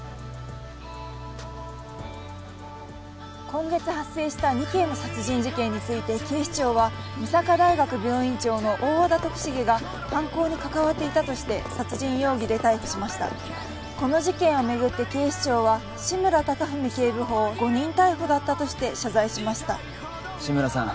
今月発生した２件の殺人事件について警視庁は御坂大学病院長の大和田徳重が犯行に関わっていたとして殺人容疑で逮捕しましたこの事件を巡って警視庁は志村貴文警部補を誤認逮捕だったとして謝罪しました志村さん